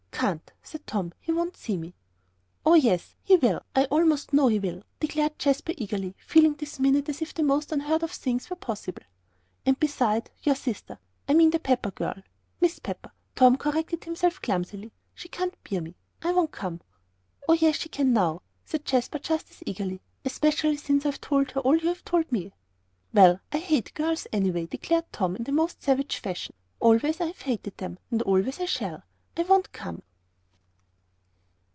"Can't," said Tom, "he won't see me." "Oh, yes, he will; I almost know he will," declared Jasper, eagerly feeling this minute as if the most unheard of things were possible. "And beside, your sister I mean the Pepper girl Miss Pepper " Tom corrected himself clumsily. "She can't bear me I won't come." "Oh, yes, she can now," said Jasper, just as eagerly, "especially since I've told her all you've told me." "Well, I hate girls anyway," declared Tom, in his most savage fashion; "always have hated 'em, and always shall. I won't come!"